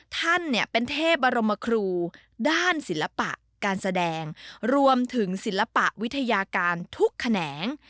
ท่านเนี่ยเป็นเทพบรมครูด้านศิลปะการแสดงรวมถึงศิลปวิทยาการทุกแขนง